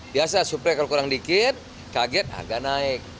biasa suplai kalau kurang dikit kaget harga naik